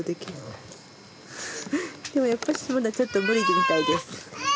フフッでもやっぱしまだちょっと無理みたいです。